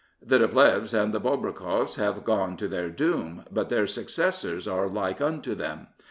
The de Plehves and the Bobrikoffs have gone to their doom, but their successors are like unto them.